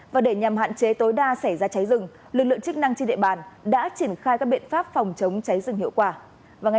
và để nhằm hạn chế tối đa xảy ra cháy rừng lực lượng chức năng trên địa bàn đã triển khai các biện pháp phòng chống cháy rừng hiệu quả